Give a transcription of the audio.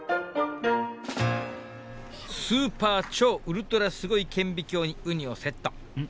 スーパー超ウルトラすごい顕微鏡にウニをセットんん？